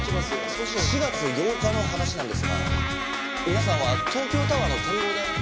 ４月８日の話なんですが皆さんは東京タワーの展望台に。